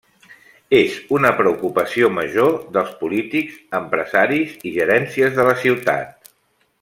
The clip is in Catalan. És una preocupació major dels polítics, empresaris i gerències de la ciutat.